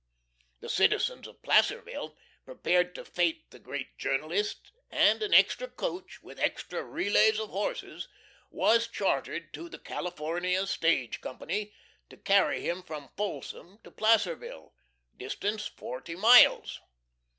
The citizens of Placerville prepared to fete the great journalist, and an extra coach, with extra relays of horses, was chartered to the California Stage Company to carry him from Folsom to Placerville distance, forty miles.